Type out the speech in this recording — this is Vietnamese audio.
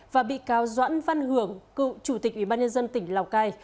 và bị cáo doãn văn hưởng cựu chủ tịch ủy ban nhân dân tỉnh lào cai